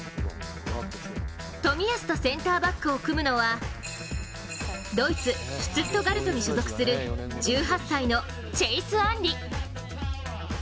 冨安とセンターバックを組むのはドイツ・シュツットガルトに所属する１８歳のチェイス・アンリ。